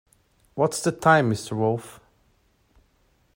What's the time, Mr Wolf?